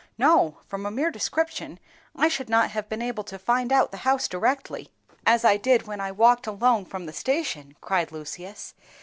"No, from a mere description I should not have been able to find out the house directly as I did when I walked alone from the station," cried Lucius.